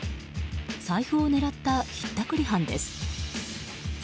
財布を狙ったひったくり犯です。